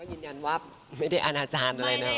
ก็ยืนยันว่าไม่ได้อนาจารย์เลยนะ